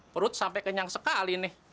perut sampai kenyang sekali nih